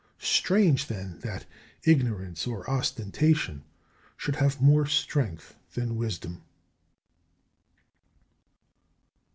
Strange then that ignorance or ostentation should have more strength than wisdom!